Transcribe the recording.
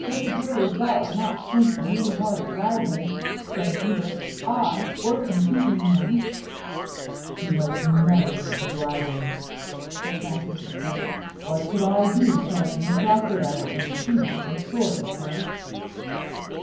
"Such a girl as that would not flinch from meeting our Dragon," said Hubert; "aye, or from seeking him." "She must never meet the Dragon," Sir Francis declared. "What could I do shut up in the crocodile, and she with a sword, of course?"